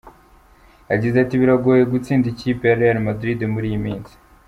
Yagize ati “Biragoye gutsinda ikipe ya Real Madrid muri iyi minsi.